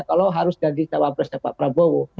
kalau harus jadi cawapresnya pak prabowo